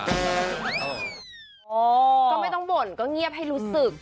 ก็ไม่ต้องบ่นก็เงียบให้รู้สึก